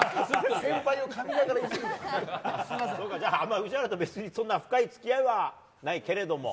宇治原と別にそんなに深い付き合いはないけれども。